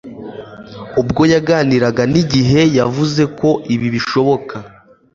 Ubwo yaganiraga na IGIHE, yavuze ko ibi bishoboka